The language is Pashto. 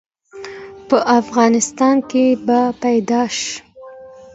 په افغانستان کې به پيدا ش؟